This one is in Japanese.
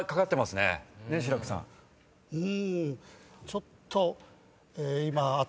ちょっと今。